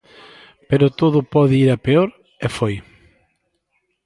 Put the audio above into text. Pero todo pode ir a peor, e foi.